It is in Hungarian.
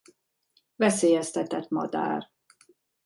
Veszélyeztetett madár.